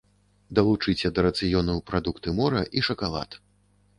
Далучыце да рацыёну прадукты мора і шакалад.